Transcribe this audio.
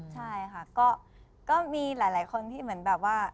ใช่ค่ะก็มีหลายคนที่เหมือนแบบว่า